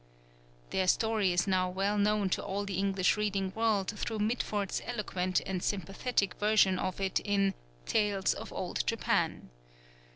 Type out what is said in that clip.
(Their story is now well known to all the English reading world through Mitford's eloquent and sympathetic version of it in the "Tales of Old Japan.")